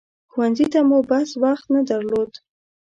ښوونځي ته مو بس وخت نه درلود.